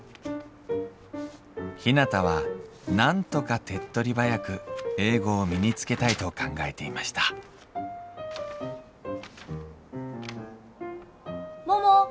ひなたはなんとか手っとり早く英語を身につけたいと考えていました・桃。